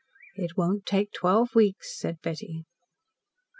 "It won't take twelve weeks," said Betty.